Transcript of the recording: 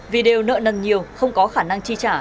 vì đều nợ nần nhiều không có khả năng chi trả